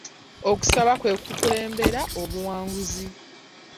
Okusaba kwe kukulembera obuwanguzi.